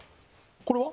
これは？